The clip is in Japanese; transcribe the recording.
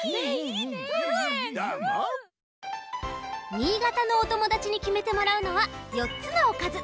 新潟のおともだちにきめてもらうのは４つのおかず。